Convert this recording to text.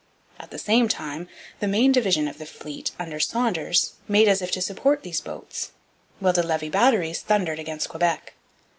At the same time the main division of the fleet, under Saunders, made as if to support these boats, while the Levis batteries thundered against Quebec.